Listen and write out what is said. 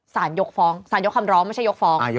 ยกฟ้องสารยกคำร้องไม่ใช่ยกฟ้อง